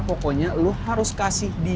pokoknya lo harus kasih di